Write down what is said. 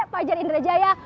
pak jari indrajaya